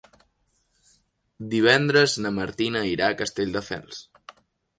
Divendres na Martina irà a Castelldefels.